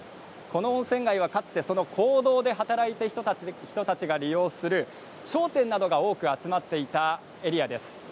この温泉街はかつて坑道で働いていた人たちが利用する商店などが多く集まっていたエリアです。